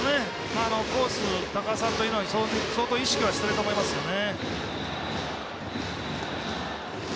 コース、高さというのは相当、意識はしていますね。